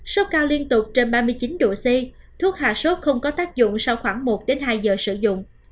sốt cao liên tục trên ba mươi chín độ c thuốc hạ sốt không có tác dụng sau khoảng một đến hai giờ sử dụng